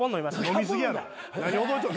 飲み過ぎやろ。